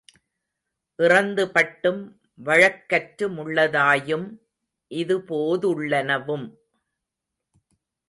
இறந்து பட்டும் வழக்கற்று முள்ளதாயும், இதுபோ துள்ளனவும்